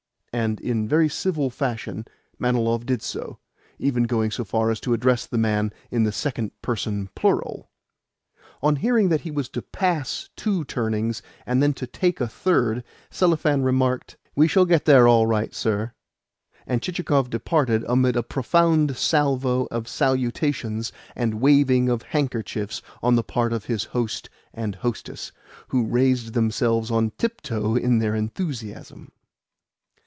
And in very civil fashion Manilov did so, even going so far as to address the man in the second person plural. On hearing that he was to pass two turnings, and then to take a third, Selifan remarked, "We shall get there all right, sir," and Chichikov departed amid a profound salvo of salutations and wavings of handkerchiefs on the part of his host and hostess, who raised themselves on tiptoe in their enthusiasm.